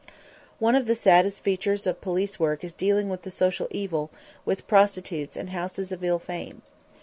One of the saddest features of police work is dealing with the social evil, with prostitutes and houses of ill fame.